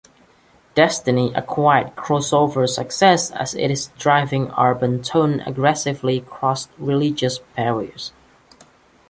"Destiny" acquired crossover success as its driving urban tone aggressively crossed religious barriers.